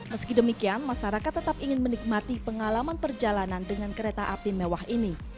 meski demikian masyarakat tetap ingin menikmati pengalaman perjalanan dengan kereta api mewah ini